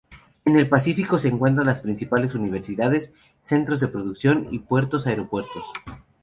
En el Pacífico se encuentran las principales universidades, centros de producción, puertos y aeropuertos.